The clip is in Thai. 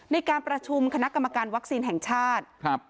ในการประชุมคณะกรรมการวัคซีนแห่งชาติ